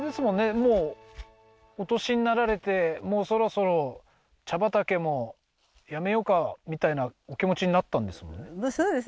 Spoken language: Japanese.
もうお年になられてもうそろそろ茶畑も辞めようかみたいなお気持ちになったんですもんね？